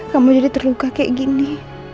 kamu jadi terluka kayak gini